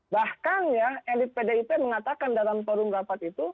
bahkan ya elit pdip mengatakan dalam forum rapat itu